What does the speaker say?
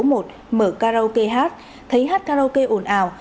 mở karaoke hát thấy hát karaoke ồn ào